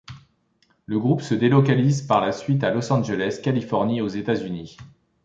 Le groupe se délocalise par la suite à Los Angeles, Californie, aux États-Unis.